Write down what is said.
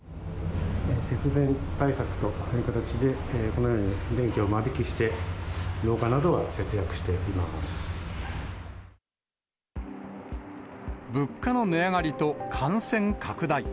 節電対策という形で、このように電気を間引きして、物価の値上がりと感染拡大。